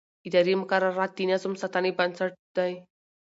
اداري مقررات د نظم ساتنې بنسټ دي.